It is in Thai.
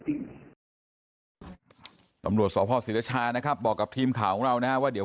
ตำรวจสพศิรชานะครับบอกกับทีมข่าวของเรานะฮะว่าเดี๋ยว